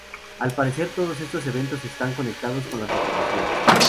Al parecer todos estos eventos están conectados con las fotografías.